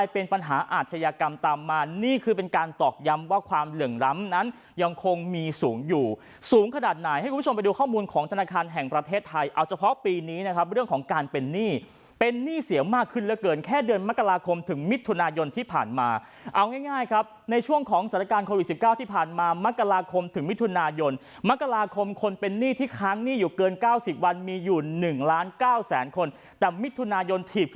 เป็นการตอบย้ำว่าความเหลื่องล้ำนั้นยังคงมีสูงอยู่สูงขนาดไหนให้คุณผู้ชมไปดูข้อมูลของธนาคารแห่งประเทศไทยเอาเฉพาะปีนี้นะครับเรื่องของการเป็นหนี้เป็นหนี้เสี่ยวมากขึ้นแล้วเกินแค่เดือนมกราคมถึงมิตรทุนายนที่ผ่านมาเอาง่ายครับในช่วงของศาลการณ์โควิด๑๙ที่ผ่านมามกราคมถึงมิตรทุนาย